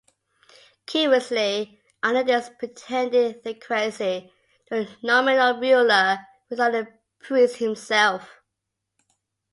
Curiously, under this pretended theocracy, the nominal ruler was not the priest himself.